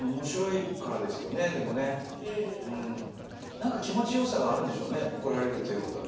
なんか気持ちよさがあるんでしょうね怒られるということに。